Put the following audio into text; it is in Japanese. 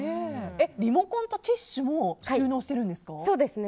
リモコンとティッシュも収納してるんですか？